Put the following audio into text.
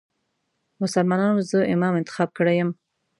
مسلمانانو زه امام انتخاب کړی یم.